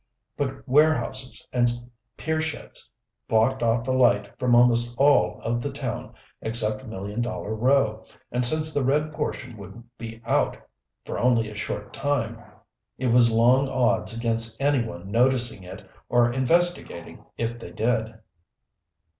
But warehouses and pier sheds blocked off the light from almost all of the town except Million Dollar Row, and since the red portion would be out for only a short time, it was long odds against anyone noticing it or investigating if they did.